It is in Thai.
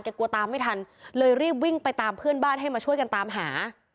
กลัวตามไม่ทันเลยรีบวิ่งไปตามเพื่อนบ้านให้มาช่วยกันตามหา